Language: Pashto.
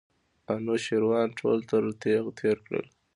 انوشیروان ټول تر تېغ تېر کړل.